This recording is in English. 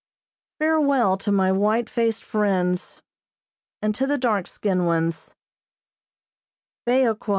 Farewell to my white faced friends, and to the dark skinned ones, "Beoqua."